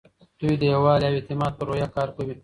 دوی د یووالي او اعتماد په روحیه کار کوي.